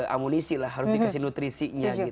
amunisi lah harus dikasih nutrisinya